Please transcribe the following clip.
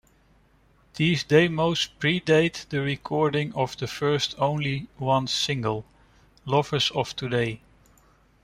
These demos pre-date the recording of the first Only Ones single, "Lovers of Today".